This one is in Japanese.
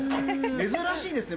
珍しいですね